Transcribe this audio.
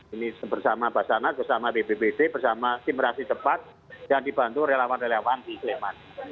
ini bersama basarnas bersama bbbt bersama tim rasi jepat yang dibantu relawan relawan di klement